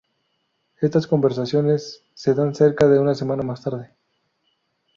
Estas conversaciones se dan cerca de una semana más tarde.